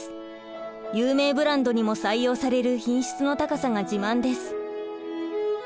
有名ブランドにも採用される品質の高さが自慢です。